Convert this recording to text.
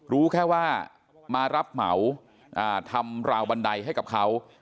รู้แค่ว่ามารับเหมาทำราวบันไดให้กับเขา